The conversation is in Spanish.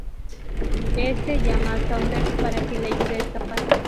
Este llama a Saunders para que le ayude a escapar.